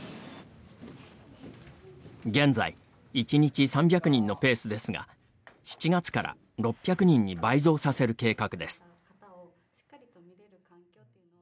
現在１日３００人のペースですが７月から６００人に倍増させる計画です。